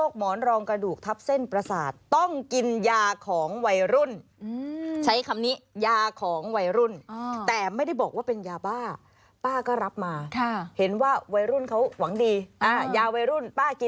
ก็เลยกินอีกเก็บไว้อีก